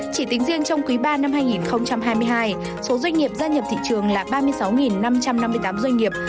chỉ tính riêng trong quý ba năm hai nghìn hai mươi hai số doanh nghiệp gia nhập thị trường là ba mươi sáu năm trăm năm mươi tám doanh nghiệp